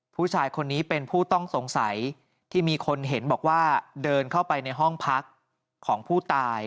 ผู้ชายคนนี้เป็นผู้ต้องสงสัยที่มีคนเห็นบอกว่าเดินเข้าไปในห้องพักของผู้ตาย